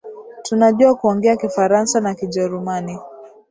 Tunajua kuongea Kifaransa na Kijerumani